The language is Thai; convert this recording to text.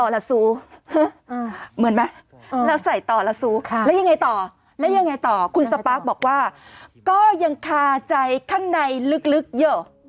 แล้วยังไงต่อแล้วยังไงต่อคุณสปาร์คบอกว่าก็ยังคาใจข้างในลึกเยอะ